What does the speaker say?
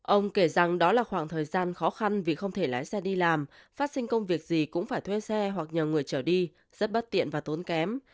ông kể rằng đó là khoảng thời gian khó khăn vì không thể lái xe đi làm phát sinh công việc gì cũng phải thuê xe hoặc nhờ người trở đi rất bất tiện và tốn kém